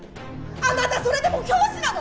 あなたそれでも教師なの？